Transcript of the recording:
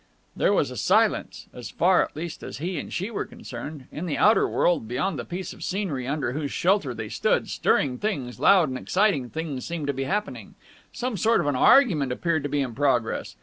There was a silence as far, at least, as he and she were concerned. In the outer world, beyond the piece of scenery under whose shelter they stood, stirring things, loud and exciting things, seemed to be happening. Some sort of an argument appeared to be in progress.